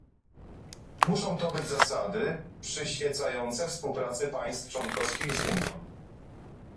Muszą to być zasady przyświecające współpracy państw członkowskich z Unią